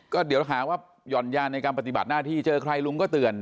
ก็เดี๋ยวหาว่าหย่อนยานในการปฏิบัติหน้าที่เจอใครลุงก็เตือน